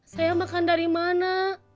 saya makan dari mana